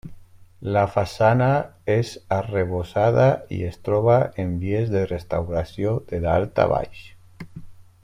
La façana és arrebossada i es troba en vies de restauració de dalt a baix.